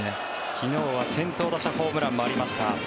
昨日は先頭打者ホームランもありました。